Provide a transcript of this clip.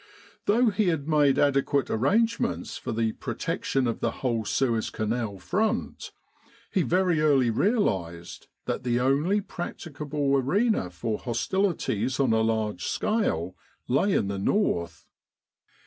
Though he had made adequate arrange ments for the protection of the whole Suez Canal front, he very early realised that the only practicable arena for hostilities on a large scale lay in the north.